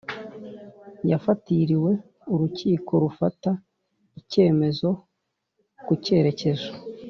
yafatiriwe Urukiko rufata icyemezo ku cyerekezo